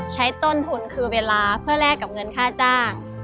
ใช้ต้นทุนคือเวลาเพื่อแลกกับเงินค่าจ้าง